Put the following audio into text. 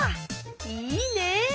いいね！